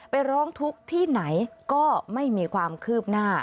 ร้องทุกข์ที่ไหนก็ไม่มีความคืบหน้า